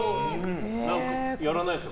何かやらないんですか？